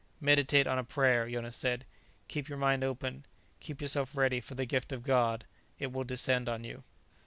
"Meditate on a prayer," Jonas said. "Keep your mind open, keep yourself ready for the gift of God. It will descend on you."